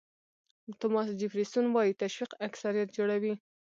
توماس جیفرسون وایي تشویق اکثریت جوړوي.